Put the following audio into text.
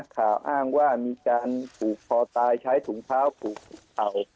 ข่าวอ้างว่ามีการผูกคอตายใช้ถุงเท้าผูกเข่า